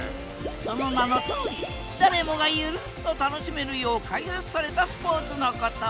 その名のとおり誰もがゆるっと楽しめるよう開発されたスポーツのこと。